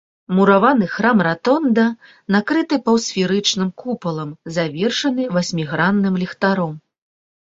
Мураваны храм-ратонда накрыты паўсферычным купалам, завершаны васьмігранным ліхтаром.